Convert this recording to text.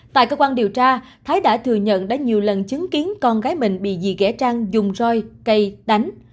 tại cơ quan điều tra thái đã thừa nhận đã nhiều lần chứng kiến con gái mình bị dị ghe trang dùng roi cây đánh